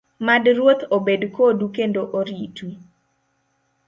Mad Ruoth obed kodu kendo oritu.